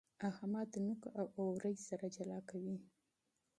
احمد نوک او اورۍ سره جلا کوي.